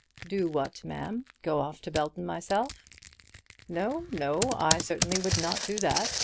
"Do what, ma'am? Go off to Belton myself?" "No, no. I certainly would not do that.